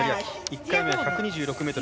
１回目は１２６ｍ。